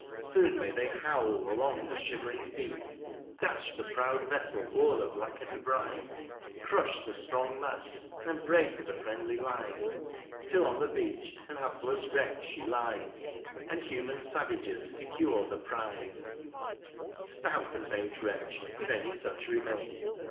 Soon may they howl along the fhivering deep ; Dafh the proud velTel o'er the blackened brine, Crufh the ftrong maft, and break the friendly line : Till on the beach an haplefs wreck {he lies, And human favages fecure the prize : Stab the faint wretch, if any fuch remain.